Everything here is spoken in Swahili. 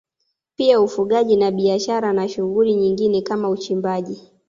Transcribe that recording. Pia ufugaji na biashara na shughuli nyingine kama uchimbaji